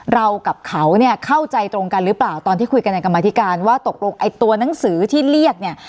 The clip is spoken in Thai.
เรากับเขาเนี่ยเข้าใจตรงกันหรือเปล่าตอนที่คุยกันในกรรมธิการว่าตกลงไอ้ตัวหนังสือที่เรียกเนี่ย